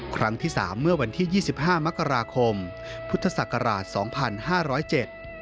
ครั้งที่สามเมื่อวันที่๒๕มกราคมพุทธศักราช๒๕๐๗